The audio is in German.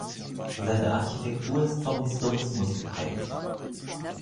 Seine Architektur ist vom Historismus geprägt.